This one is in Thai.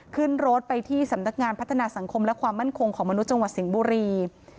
ขึ้นรถไปที่สำนักงานพัฒนาสังคมและความมั่นคงของมนุษย์จังหวัดสิงห์บุรี